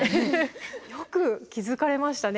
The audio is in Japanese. よく気付かれましたね。